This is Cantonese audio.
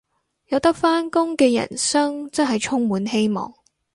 有得返工嘅人生真係充滿希望